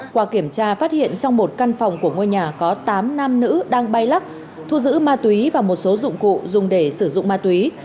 qua kiểm tra phát hiện trong một căn phòng của ngôi nhà có tám nam nữ đang bay lắc thu giữ ma túy và một số dụng cụ dùng để sử dụng ma túy